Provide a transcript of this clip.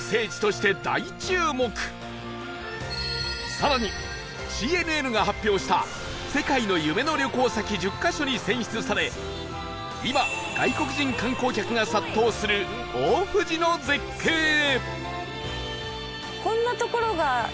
更に ＣＮＮ が発表した世界の夢の旅行先１０カ所に選出され今外国人観光客が殺到する大藤の絶景へ！